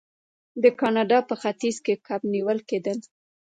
د کاناډا په ختیځ کې کب نیول کیدل.